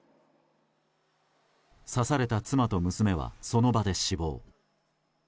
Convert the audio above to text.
刺された妻と娘はその場で死亡。